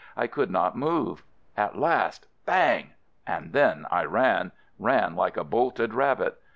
I could not move. At last — bang ! And then I ran, ran like a bolted rabbit.